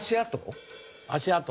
足跡？